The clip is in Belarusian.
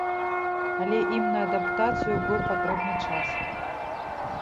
Але ім на адаптацыю быў патрэбны час.